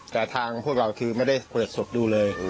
แต่ทางพวกเราคือไม่ได้เปิดศพดูเลย